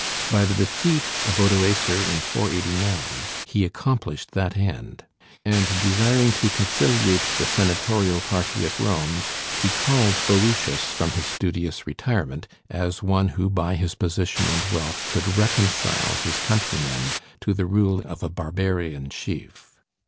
By the defeat of Odoacer in 489 he accomplished that end; and desiring to conciliate the Senatorial party at Rome, he called Boëtius from his studious retirement, as one who by his position and wealth could reconcile his countrymen to the rule of a barbarian chief.